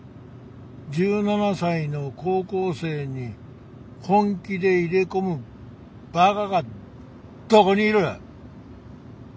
１７才の高校生に本気で入れ込むバカがどこにいる！